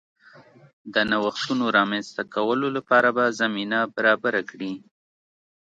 د نوښتونو رامنځته کولو لپاره به زمینه برابره کړي